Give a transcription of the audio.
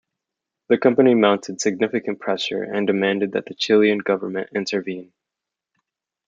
The company mounted significant pressure and demanded that the Chilean government intervene.